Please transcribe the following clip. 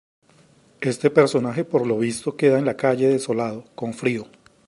Este personaje, por lo visto queda en la calle desolado, con frío.